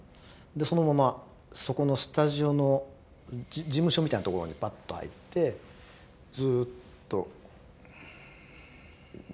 でそのままそこのスタジオの事務所みたいなところにパッと入ってずっとやってて。